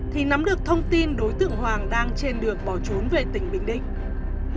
thì nắm được thông tin đối tượng hoàng đang trên đường bỏ trốn về tỉnh bình định